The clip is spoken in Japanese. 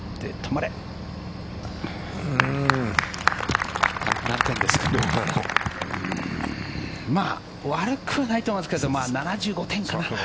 まあ悪くないとは思いますけど７５点かな。